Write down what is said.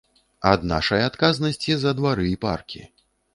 Ад нашай адказнасці за двары і паркі.